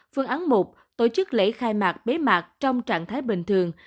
phương án một tổ chức lễ khai mạc bế mạc trong trạng thái bình thường